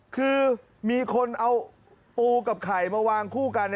คือมีคนเอาปูกับไข่มาวางคู่กัน